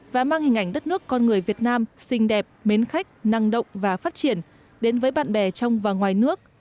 và mang hình ảnh đất nước con người việt nam xinh đẹp mến khách năng động và phát triển đến với bạn bè trong và ngoài nước